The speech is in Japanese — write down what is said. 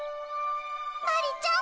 マリちゃん！